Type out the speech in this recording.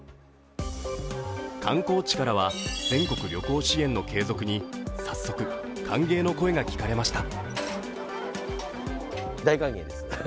観光地からは全国旅行支援の継続に早速、歓迎の声が聞かれました。